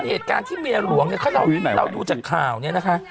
โดยเป็นเอกการณ์ที่เมียหลวงเนี้ยเค้าเล่าที่เราดูจากข่าวเนี้ยนะคะ